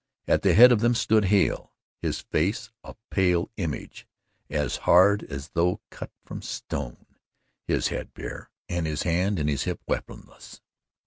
At the head of them stood Hale, his face a pale image, as hard as though cut from stone, his head bare, and his hand and his hip weaponless.